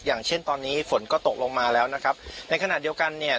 อย่างเช่นตอนนี้ฝนก็ตกลงมาแล้วนะครับในขณะเดียวกันเนี่ย